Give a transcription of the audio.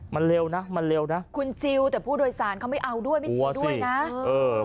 มันเร็วนะมันเร็วนะคุณชิลแต่ผู้โดยสารเขาไม่เอาด้วยไม่ชิวด้วยนะเออ